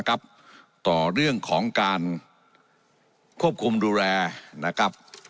ต่อเรื่องของการควบคุมดูแลนะครับ